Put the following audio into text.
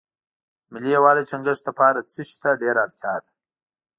د ملي یووالي ټینګښت لپاره څه شی ته ډېره اړتیا ده.